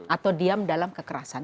atau diam dalam kekerasan